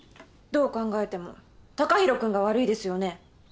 どう考えてもたかひろ君が悪いですよね？